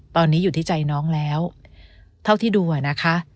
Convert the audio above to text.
ตอนนี้อยู่ที่ใจน้องแล้วเท่าที่ดูอะนะคะ